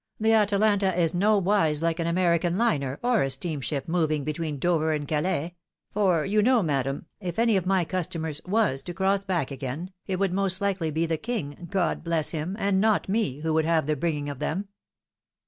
The Atalanta is nowise like an American liner or a steam ship moving between Dover and Calais ; for you know, madam, if any of my customers was to cross back again, it would most likely be the King — God bless him !— and not me, who would have the bringing of them."